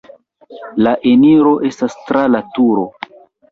La eniro estas tra la turo.